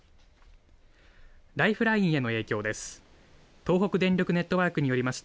ライフラインへの影響です。